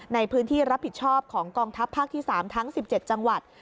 ในพื้นที่รับผิดชอบของกองทัพภาคที่๓ทั้ง๑๗จังหวัด